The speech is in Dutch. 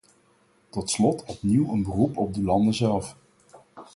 Tot slot opnieuw een beroep op de landen zelf.